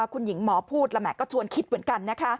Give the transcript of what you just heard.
คุณหญิงหมอพูดแล้วแหมก็ชวนคิดเหมือนกัน